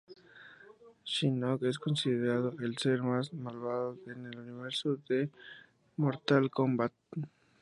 Shinnok es considerado el ser más malvado en el universo de Mortal Kombat.